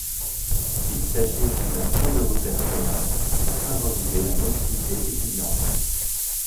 Il s'agit aussi d'un point de repère commun pour favoriser la mobilité étudiante.